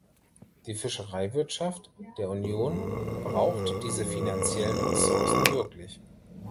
Die Fischereiwirtschaft der Union braucht diese finanziellen Ressourcen wirklich.